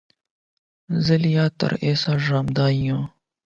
زه لا تر اوسه ژوندی یم .